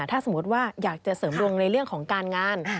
ถ้าสมมติว่าอยากจะเสริมดวงในเรื่องของการงาน